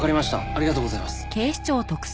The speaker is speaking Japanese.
ありがとうございます。